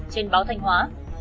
trên báo thanh hóa